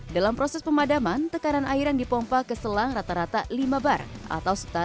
dalam proses pemadaman tekanan air yang dipotong di dalam selang selang tersebut terdapat sepuluh liter